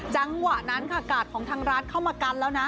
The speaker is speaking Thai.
จังหวะนั้นค่ะกาดของทางร้านเข้ามากันแล้วนะ